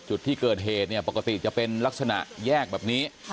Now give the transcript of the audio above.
จุดที่เกิดเหตุเนี่ยปกติจะเป็นลักษณะแยกแบบนี้